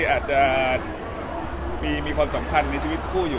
อาจจะมีความสัมพันธ์ในชีวิตคู่อยู่